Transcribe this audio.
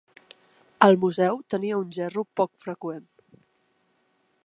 El museu tenia un gerro poc freqüent.